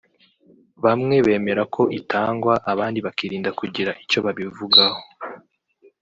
bamwe bemera ko itangwa abandi bakirinda kugira icyo babivugaho